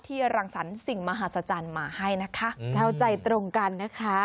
รังสรรค์สิ่งมหาศจรรย์มาให้นะคะเข้าใจตรงกันนะคะ